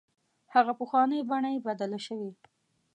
هغه پخوانۍ بڼه یې بدله شوې.